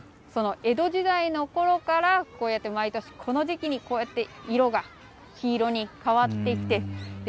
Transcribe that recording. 江戸時代のころからこうやって毎年この時期にこうやって色が黄色に変わっていって。